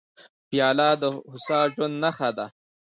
پیاله د هوسا ژوند نښه ده.